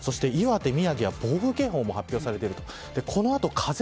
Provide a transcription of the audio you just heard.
宮城と岩手は暴風警報も発表されています。